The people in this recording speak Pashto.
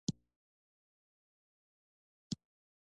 پامیر د افغانستان د ځانګړي ډول جغرافیه استازیتوب کوي.